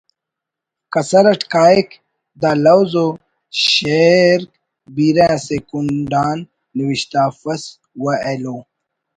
کسر اٹ کاہک دا لوز و شئیرک بیرہ اسہ کنڈ آن نوشتہ افس و ایلو